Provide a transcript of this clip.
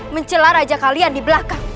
mencela raja kalian di belakang